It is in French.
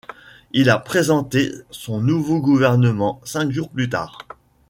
Il a présenté son nouveau gouvernement cinq jours plus tard.